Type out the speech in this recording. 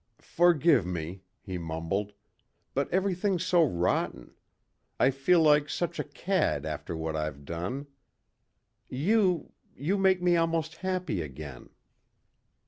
"Forgive me," he mumbled. "But everything's so rotten. I feel like such a cad after what I've done. You ... you make me almost happy again."